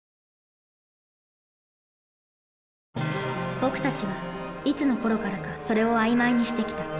僕たちはいつのころからか「それ」を曖昧にしてきた。